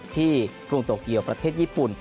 กรุงโตเกียวประเทศญี่ปุ่น